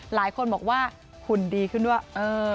หลายคนบอกว่าหุ่นดีขึ้นด้วยเออ